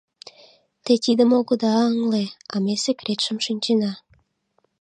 Те тидым огыда ыҥле, а ме секретшым шинчена.